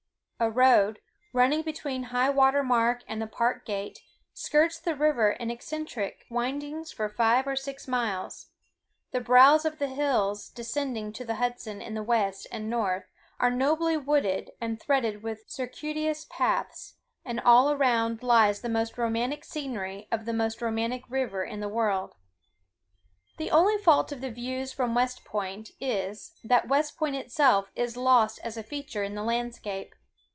A road, running between high water mark and the park gate, skirts the river in eccentric windings for five or six miles; the brows of the hills descending to the Hudson in the west and north, are nobly wooded and threaded with circuitous paths, and all around lies the most romantic scenery of the most romantic river in the world. The only fault of the views from West Point, is, that West Point itself is lost as a feature in the landscape.